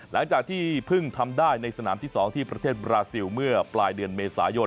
หลังจากที่เพิ่งทำได้ในสนามที่๒ที่ประเทศบราซิลเมื่อปลายเดือนเมษายน